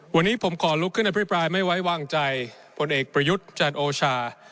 วันนี้ผมขอลุกขึ้นอภิปรายไม่ไว้วางใจผลเอกประยุทธ์จันโอชา